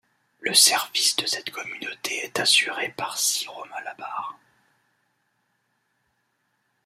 Le service de cette communauté est assuré par syro-malabars.